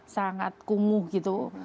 sangat kumuh gitu